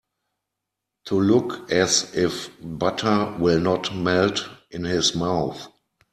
To look as if butter will not melt in his mouth.